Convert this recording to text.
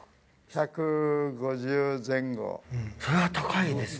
それは高いですね